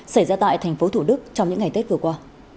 xảy ra tại tp thủ đức trong những ngày tết vừa qua